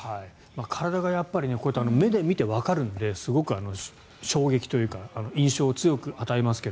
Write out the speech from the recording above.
体がやっぱり目で見てわかるのですごく衝撃というか印象を強く与えますが。